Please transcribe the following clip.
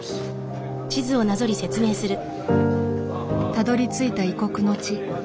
たどりついた異国の地。